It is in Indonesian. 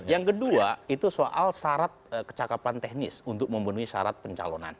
yang kedua itu soal syarat kecakapan teknis untuk memenuhi syarat pencalonan